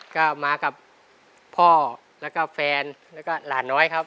ก็มากับพ่อแล้วก็แฟนแล้วก็หลานน้อยครับ